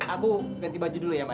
aku ganti baju dulu ya ma ya